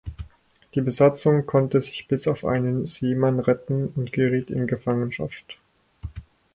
Die Besatzung konnte sich bis auf einen Seemann retten und geriet in Gefangenschaft.